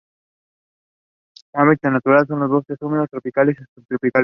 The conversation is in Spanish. Su hábitat natural son los bosques húmedos tropicales y subtropicales.